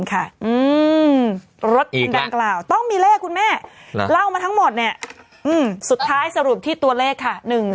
รถคันดังกล่าวต้องมีเลขคุณแม่เล่ามาทั้งหมดเนี่ยสุดท้ายสรุปที่ตัวเลขค่ะ